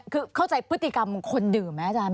คือเข้าใจพฤติกรรมคนดื่มไหมอาจารย์